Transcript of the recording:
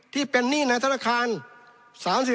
ที่เป็นหนี้ในธนาคาร